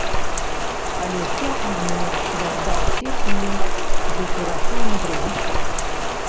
Але ўсё адно я здаў сесію ды перайшоў на другі курс.